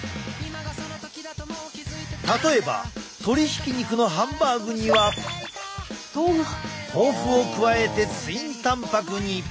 例えば鶏ひき肉のハンバーグには豆腐を加えてツインたんぱくに。